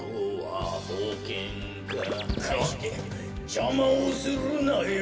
「じゃまをするなよ